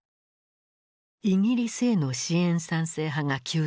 イギリスへの支援賛成派が急増。